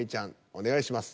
Ｄお願いします。